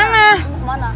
lu mau kemana